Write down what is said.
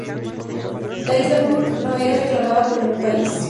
La isla Burke no es reclamada por ningún país.